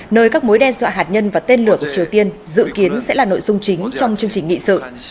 nơi các mối đe dọa hạt nhân và tên lửa của triều tiên dự kiến sẽ là nội dung chính trong chương trình nghị sự